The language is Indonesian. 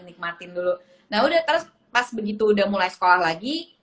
nikmatin dulu nah udah terus pas begitu udah mulai sekolah lagi